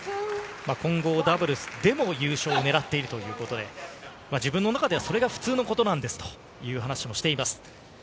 混合ダブルスでも優勝をねらっているということで、自分の中では、それが普通のことなんですという話もしています。